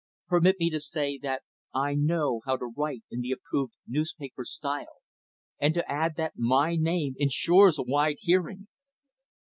Permit me to say, that I know how to write in the approved newspaper style, and to add that my name insures a wide hearing.